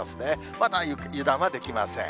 まだ油断はできません。